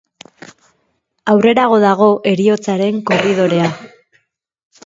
Aurrerago dago heriotzaren korridorea.